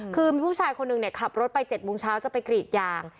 คือมีผู้ชายคนหนึ่งขับรถไป๗โมงเช้าจะไปกรีดยาง